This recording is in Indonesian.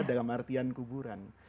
dalam artian kuburan